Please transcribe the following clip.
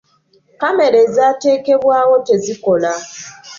Kamera ezaatekebwawo tezikola.